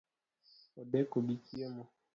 Odeko gi chiemo